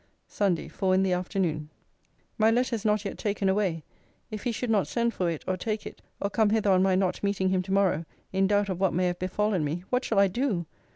SUNDAY, FOUR IN THE AFTERNOON. My letter is not yet taken away If he should not send for it, or take it, or come hither on my not meeting him to morrow, in doubt of what may have befallen me, what shall I do!